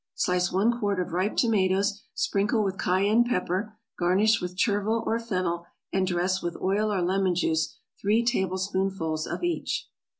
= Slice one quart of ripe tomatoes, sprinkle with cayenne pepper, garnish with chervil or fennel, and dress with oil or lemon juice three tablespoonfuls of each.